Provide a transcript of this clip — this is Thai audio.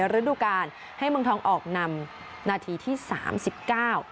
ฤดูกาลให้เมืองทองออกนำนาทีที่สามสิบเก้า